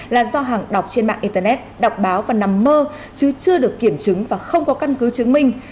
là do hàng đọc trên mạng internet đọc báo và nằm mơ chứ chưa được kiểm chứng và không có căn cứ chứng minh